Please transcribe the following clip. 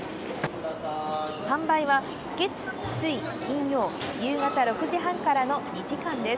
販売は月、水、金曜夕方６時半からの２時間です。